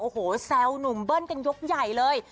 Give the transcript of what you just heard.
โอ้โหแซวหนุ่มเบิ้ลกันยกใหญ่เลย